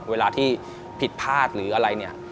เวลาที่ผิดภาษณ์หรืออะไร